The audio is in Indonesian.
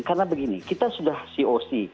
karena begini kita sudah coc